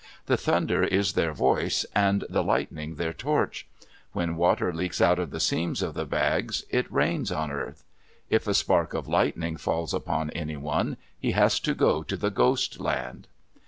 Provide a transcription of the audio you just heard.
The thunder is their voice and the lightning their torch. When water leaks out of the seams of the bags, it rains on earth. If a spark of lightning falls upon anyone, he has to go to the Ghost Land.